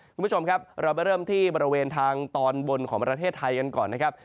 คุณผู้ชมครับเราไปเริ่มที่บริเวณทางตอนบนของประเทศไทยกันก่อนนะครับ